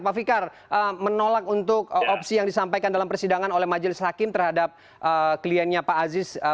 pak fikar menolak untuk opsi yang disampaikan dalam persidangan oleh majelis hakim terhadap kliennya pak aziz